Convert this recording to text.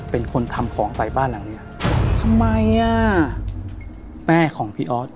เป็นคนทำของใส่บ้านหลังเนี้ยทำไมอ่ะแม่ของพี่ออส